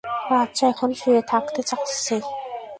বাচ্চা এখন শুয়ে থাকতে চাচ্ছে।